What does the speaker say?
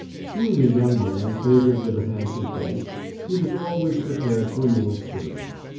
Being a young man favored with a handsome face, he was always prepared for a new experience.